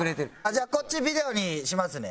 じゃあこっちビデオにしますね。